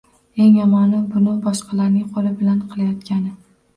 Eng yomoni, buni boshqalarning qo`li bilan qilayotgani